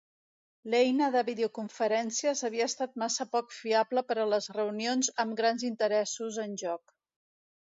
L'eina de videoconferències havia estat massa poc fiable per a les reunions amb grans interessos en joc.